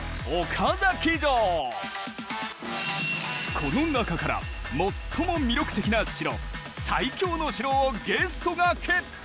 この中から最も魅力的な城最強の城をゲストが決定！